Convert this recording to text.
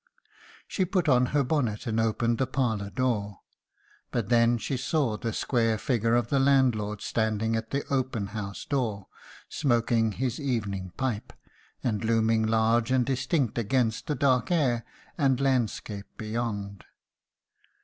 "She put on her bonnet and opened the parlour door; but then she saw the square figure of the landlord standing at the open house door, smoking his evening pipe, and looming large and distinct against the dark air and landscape beyond.